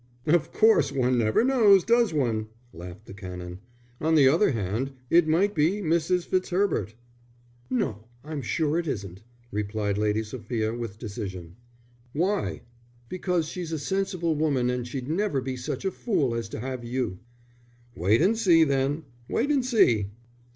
"Of course one never knows, does one?" laughed the Canon. "On the other hand, it might be Mrs. Fitzherbert." "No, I'm sure it isn't," replied Lady Sophia, with decision. "Why?" "Because she's a sensible woman and she'd never be such a fool as to have you." "Wait and see, then. Wait and see."